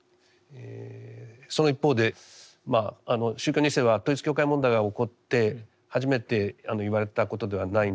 その一方で宗教２世は統一教会問題が起こって初めて言われたことではないんですがこの１０年くらいですね